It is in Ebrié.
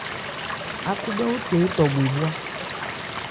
Ákhúbhɛ́óthe étɔ bhwe bhwá.